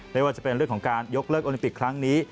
ไม่ว่าจะเป็นเรื่องของการยกเลิกโอลิมปิกครั้งนี้